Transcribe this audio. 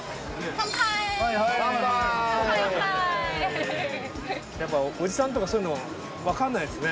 乾杯乾杯やっぱおじさんとかそういうの分かんないですね